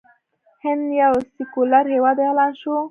هند یو سیکولر هیواد اعلان شو.